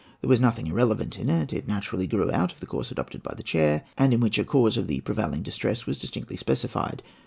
There was nothing irrelevant in it; it naturally grew out of the course adopted by the chair, and in which a cause of the prevailing distress was distinctly specified.